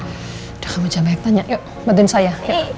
sudah kamu jangan banyak tanya yuk bantuin saya